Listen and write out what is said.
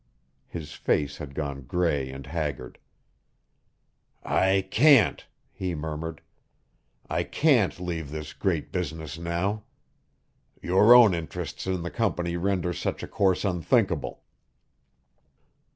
His face had gone gray and haggard. "I can't," he murmured, "I can't leave this great business now. Your own interests in the company render such a course unthinkable.